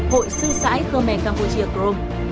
hội sư sãi khơ me campuchia chrome